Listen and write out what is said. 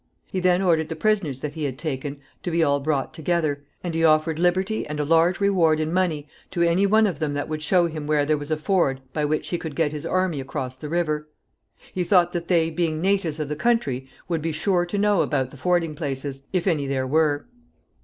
He then ordered the prisoners that he had taken to be all brought together, and he offered liberty and a large reward in money to any one of them that would show him where there was a ford by which he could get his army across the river. He thought that they, being natives of the country, would be sure to know about the fording places, if any there were.